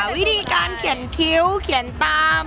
วิธีการเขียนคิ้วเขียนตาม